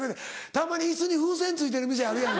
たまに椅子に風船付いてる店あるやんか。